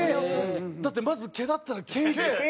だってまず毛があったら毛いく。